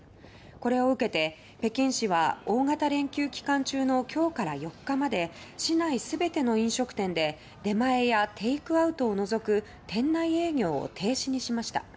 これを受けて、北京市は大型連休期間中の今日から４日まで、市内全ての飲食店で出前やテイクアウトを除く店内営業を停止にしました。